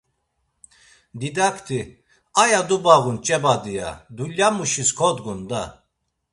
Didakti: A ya dubağun ç̌e badi! ya; Dulyamuşis kodgun da!”